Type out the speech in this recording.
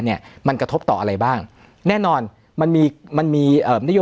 เนี่ยมันกระทบต่ออะไรบ้างแน่นอนมันมีมันมีเอ่อมนิโย